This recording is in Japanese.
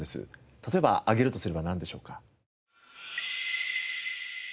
例えば挙げるとすればなんでしょうか？